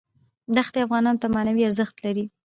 دښتې افغانانو ته معنوي ارزښت لري.